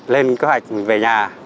lên kế hoạch mình về nhà